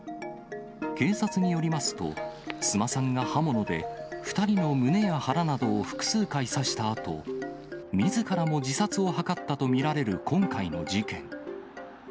警察によりますと、須磨さんが刃物で２人の胸や腹などを複数回刺したあと、みずからも自殺を図ったと見られる今回の事件。